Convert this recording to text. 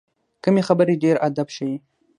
کمې خبرې، ډېر ادب ښیي.